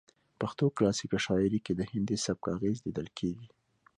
پښتو کلاسیکه شاعرۍ کې د هندي سبک اغیز لیدل کیږي